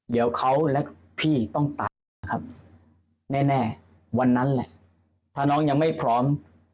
เดี๋ยวเขาและพี่ต้องตายนะครับแน่วันนั้นแหละถ้าน้องยังไม่พร้อม